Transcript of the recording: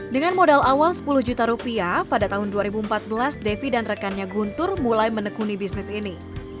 dengan modal awal sepuluh juta rupiah pada tahun dua ribu empat belas devi dan rekannya guntur mulai menekuni bisnis ini